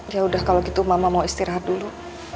ya udah kalau gitu mama mau istirahat dulu